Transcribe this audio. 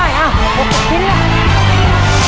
อีกลูกเท่าไหร่